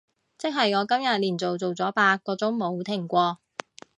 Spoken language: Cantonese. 即係我今日連續做咗八個鐘冇停過